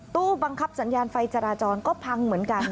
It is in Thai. ตู้บังคับสัญญาณไฟจราจรก็พังเหมือนกัน